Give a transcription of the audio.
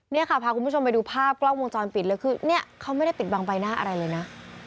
เนี่ยค่ะพาคุณผู้ชมไปดูภาพกล้องวงจรปิดเลยคือเนี่ยเขาไม่ได้ปิดบังใบหน้าอะไรเลยนะ